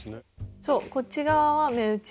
そうこっち側は目打ち。